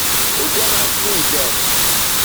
Ugadeɣ akli uzal.